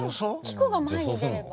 希子が前に出れば。